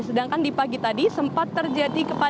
sedangkan di pagi tadi kita sudah bisa mencari jalan ke jawa barat